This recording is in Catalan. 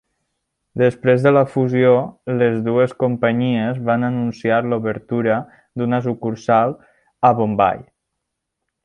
Després de la fusió, les dues companyies van anunciar l'obertura d'una sucursal a Bombai.